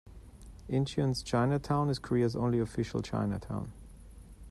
Incheon's Chinatown is Korea's only official Chinatown.